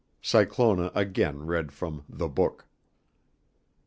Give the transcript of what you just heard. Cyclona again read from the Book.